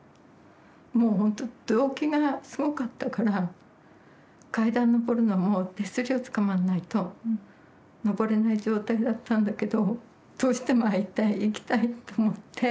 もう本当動悸がすごかったから階段上るのも手すりをつかまんないと上れない状態だったんだけどどうしても会いたい行きたいと思って。